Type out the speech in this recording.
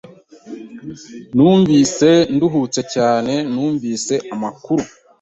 Numvise nduhutse cyane numvise amakuru.